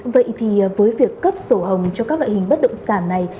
vậy thì với việc cấp sổ hồng cho các loại hình bất động sản này